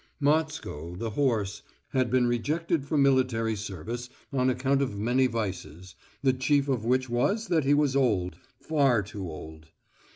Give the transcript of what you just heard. Matsko, the horse, had been rejected from military service on account of many vices, the chief of which was that he was old, far too old.